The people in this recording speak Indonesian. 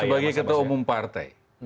sebagai ketua umum partai